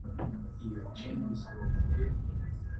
Iyo jeans wakuye he?